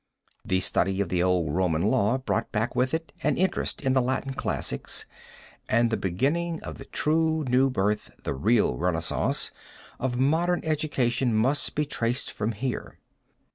The study of the old Roman Law brought back with it an interest in the Latin classics, and the beginning of the true new birth the real renaissance of modern education must be traced from here.